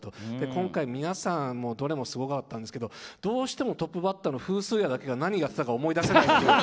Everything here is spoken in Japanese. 今回、皆さん、どれもすばらしかったですけどどうしてもトップバッターのフースーヤが何をやってたかを思い出せない。